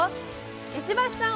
石橋さん